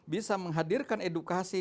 bisa menghadirkan edukasi